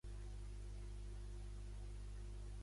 Anna Carreras Sales és una artista nascuda a Barcelona.